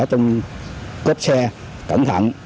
trong cốt xe cẩn thận